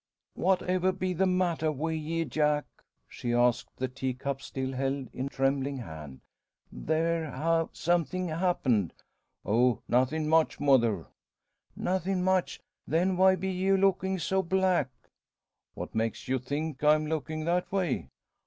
"Whatever be the matter wi' ye, Jack?" she asks, the teacup still held in trembling hand. "There ha' something happened?" "Oh! nothin' much, mother." "Nothin' much! Then why be ye looking so black?" "What makes you think I'm lookin' that way?"